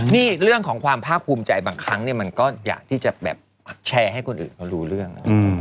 นี่เรื่องของความภาคภูมิใจบางครั้งมันก็อยากที่จะแบบแชร์ให้คนอื่นเขารู้เรื่อง